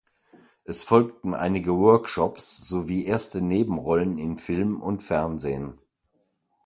Es folgten einige Workshops sowie erste Nebenrollen in Film und Fernsehen.